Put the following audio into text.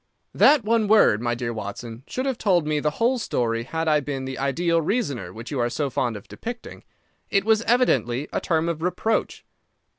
"That one word, my dear Watson, should have told me the whole story had I been the ideal reasoner which you are so fond of depicting. It was evidently a term of reproach."